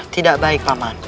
tidak baik pak man